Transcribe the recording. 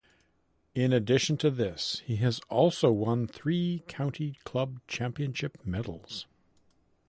In addition to this he has also won three county club championship medals.